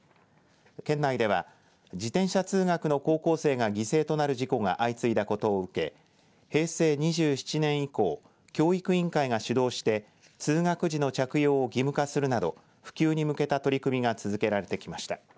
県内では自転車通学の高校生が犠牲となる事故が相次いだことを受け平成２７年以降教育委員会が主導して通学時の着用を義務化するなど普及に向けた取り組みが続けられてきました。